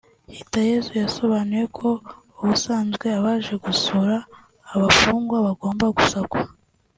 Hitayezu yasobanuye ko ubusanzwe abaje gusura abafungwa bagomba gusakwa